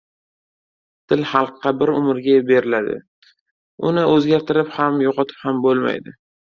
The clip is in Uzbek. Til xalqqa bir umrga beriladi, uni o‘zgartirib ham, yo‘qotib ham bo‘lmaydi.